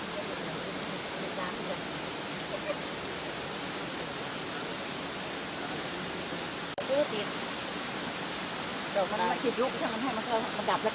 เวลาเกิดกระดูกกว่าอาจจะเกิดความสุข